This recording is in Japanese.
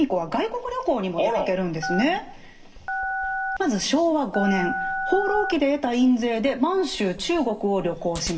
まず昭和５年「放浪記」で得た印税で満州・中国を旅行します。